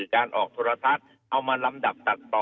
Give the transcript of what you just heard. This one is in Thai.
การออกโทรทัศน์เอามาลำดับตัดต่อ